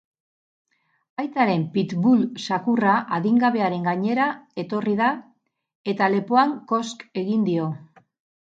Aitaren pit-bull zakurra adingabearen gainera etorri da, eta lepoan kosk egin dio.